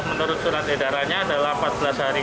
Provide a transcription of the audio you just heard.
menurut surat edarannya adalah empat belas hari